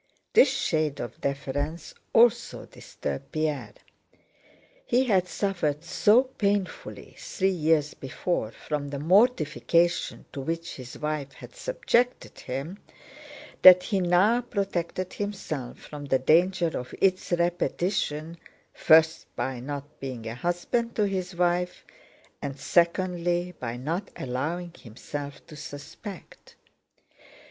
This shade of deference also disturbed Pierre. He had suffered so painfully three years before from the mortification to which his wife had subjected him that he now protected himself from the danger of its repetition, first by not being a husband to his wife, and secondly by not allowing himself to suspect.